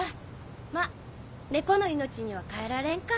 まぁ猫の命には替えられんか。